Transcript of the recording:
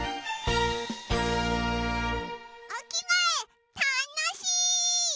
おきがえたのしい！